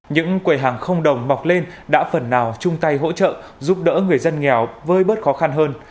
những quầy hàng không đồng mọc lên đã phần nào chung tay hỗ trợ giúp đỡ người dân nghèo vơi bớt khó khăn hơn